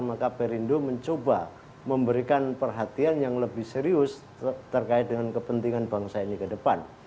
maka perindo mencoba memberikan perhatian yang lebih serius terkait dengan kepentingan bangsa ini ke depan